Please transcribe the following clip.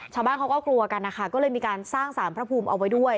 ชาวบ้านเขาก็กลัวกันนะคะก็เลยมีการสร้างสารพระภูมิเอาไว้ด้วย